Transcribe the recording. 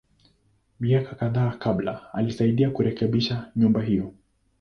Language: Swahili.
Miaka kadhaa kabla, alisaidia kurekebisha nyumba hiyo.